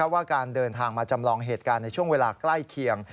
ว่าการเดินทางมาจำลองเหตุการณ์ในช่วงเวลาใกล้เคียง